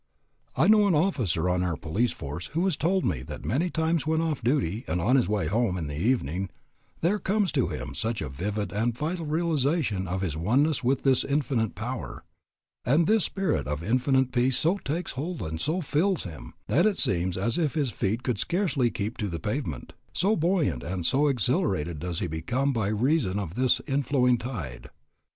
I know an officer on our police force who has told me that many times when off duty and on his way home in the evening, there comes to him such a vivid and vital realization of his oneness with this Infinite Power, and this Spirit of Infinite Peace so takes hold of and so fills him, that it seems as if his feet could scarcely keep to the pavement, so buoyant and so exhilarated does he become by reason of this inflowing tide.